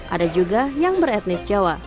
ada juga yang berpengalaman di jalan rungkut alang alang